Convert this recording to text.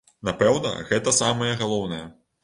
Напэўна, гэта самае галоўнае.